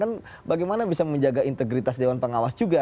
kan bagaimana bisa menjaga integritas dewan pengawas juga